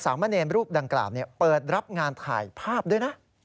มะเนรรูปดังกล่าวเปิดรับงานถ่ายภาพด้วยนะ